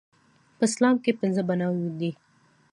په اسلام کې پنځه بناوې دي